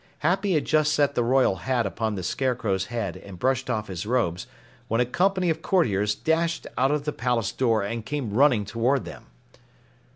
Happy had just set the royal hat upon the Scarecrow's head and brushed off his robes when a company of courtiers dashed out of the palace door and came running toward them.